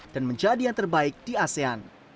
dan menjadi yang terbaik di asean